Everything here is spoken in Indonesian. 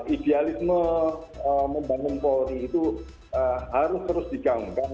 idealisme membangun polri itu harus terus digaungkan